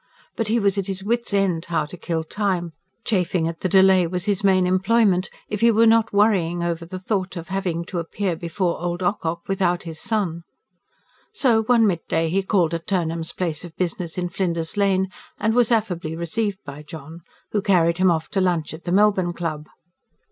But he was at his wits' end how to kill time: chafing at the delay was his main employment, if he were not worrying over the thought of having to appear before old Ocock without his son. So, one midday he called at Turnham's place of business in Flinders Lane, and was affably received by John, who carried him off to lunch at the Melbourne Club.